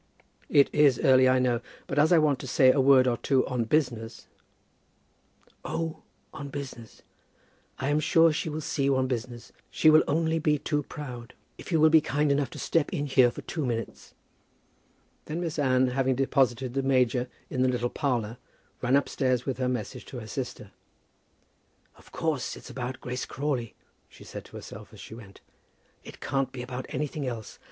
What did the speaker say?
"It is early, I know; but as I want to say a word or two on business " "Oh, on business. I am sure she will see you on business; she will only be too proud. If you will be kind enough to step in here for two minutes." Then Miss Anne, having deposited the major in the little parlour, ran upstairs with her message to her sister. "Of course it's about Grace Crawley," she said to herself as she went. "It can't be about anything else.